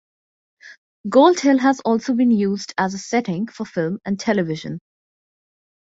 Gold Hill has also been used as a setting for film and television.